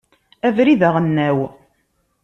Abrid aɣelnaw.